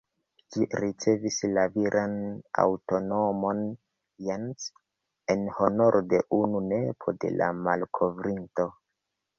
Ĝi ricevis la viran antaŭnomon ""Jens"" en honoro de unu nepo de la malkovrinto.